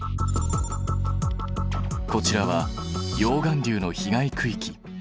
こちらは溶岩流の被害区域。